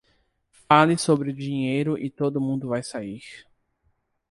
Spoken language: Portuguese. Fale sobre dinheiro e todo mundo vai sair.